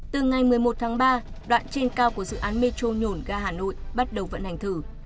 từ ngày một mươi một tháng ba đoạn trên cao của dự án metro nhổn ga hà nội bắt đầu vận hành thử